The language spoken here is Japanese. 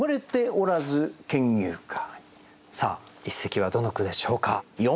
さあ一席はどの句でしょうか。